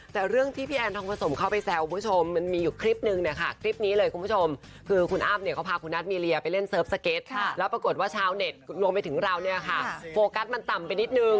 แต่เรื่องที่พี่แอนทองผสมเข้าไปแซวคุณผู้ชมมันมีอยู่คลิปนึงเนี่ยค่ะคลิปนี้เลยคุณผู้ชมคือคุณอ้ำเนี่ยเขาพาคุณนัทมีเรียไปเล่นเซิร์ฟสเก็ตแล้วปรากฏว่าชาวเน็ตรวมไปถึงเราเนี่ยค่ะโฟกัสมันต่ำไปนิดนึง